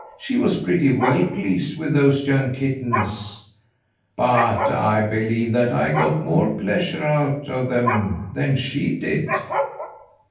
She was pretty well pleased with those young kittens, but I believe that I got more pleasure out of them than she did."